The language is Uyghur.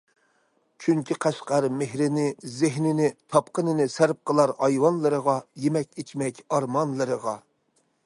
چۈنكى قەشقەر مېھرىنى، زېھنىنى، تاپقىنىنى سەرپ قىلار ئايۋانلىرىغا، يېمەك- ئىچمەك ئارمانلىرىغا.